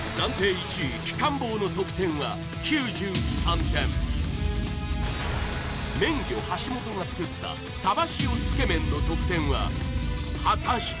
１位鬼金棒の得点は９３点麺魚橋本が作ったサバ塩つけ麺の得点は果たして？